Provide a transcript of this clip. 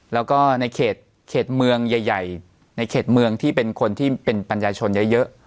แล้วก็ในเขตเมืองใหญ่ในเขตเมืองที่เป็นคนที่เป็นปัญญาชนเยอะ